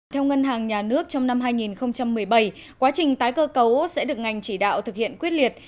theo ngân hàng nhà nước trong năm hai nghìn một mươi bảy quá trình tái cơ cấu sẽ được ngành chỉ đạo thực hiện quyết liệt